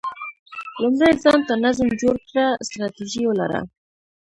لومړی ځان ته نظم جوړ کړه، ستراتیژي ولره،